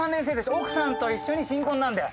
奥さんと一緒に新婚なんで。